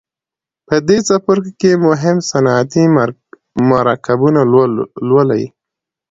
په دې څپرکي کې مهم صنعتي مرکبونه لولئ.